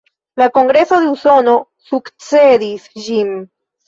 La Kongreso de Usono sukcedis ĝin.